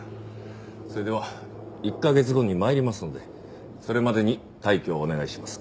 それでは１カ月後に参りますのでそれまでに退去をお願いします。